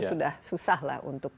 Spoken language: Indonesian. sudah susah lah untuk